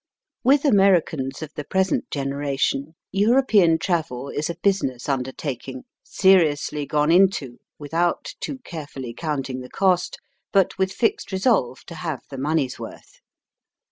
With Americans of the present generation European travel is a Digitized by VjOOQIC "off sandy hook. business undertaking, seriously gone into, without too carefully counting the cost, but with fixed resolve to have the money's worth.